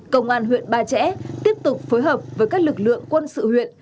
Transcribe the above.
công an huyện ba trẻ tiếp tục phối hợp với các lực lượng quân sự huyện